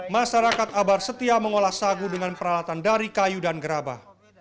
masyarakat abar setia mengolah sagu dengan peralatan dari kayu dan gerabah